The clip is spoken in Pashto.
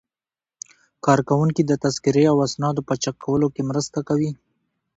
کارکوونکي د تذکرې او اسنادو په چک کولو کې مرسته کوي.